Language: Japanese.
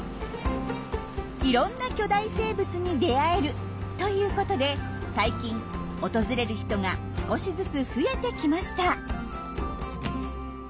いろんな巨大生物に出会えるということで最近訪れる人が少しずつ増えてきました。